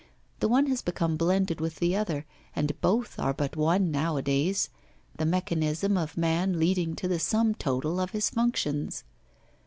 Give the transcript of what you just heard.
The one has become blended with the other, and both are but one nowadays, the mechanism of man leading to the sum total of his functions.